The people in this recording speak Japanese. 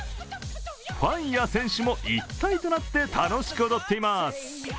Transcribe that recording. ファンや選手も一体となって楽しく踊っています。